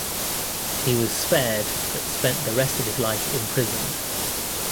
He was spared but spent the rest of his life imprisoned.